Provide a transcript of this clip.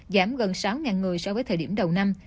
giảm gần sáu người so với thời điểm đầu năm